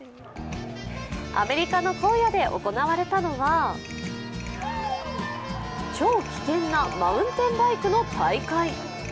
アメリカの荒野で行われたのは超危険なマウンテンバイクの大会。